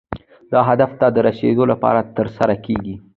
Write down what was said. دا هدف ته د رسیدو لپاره ترسره کیږي.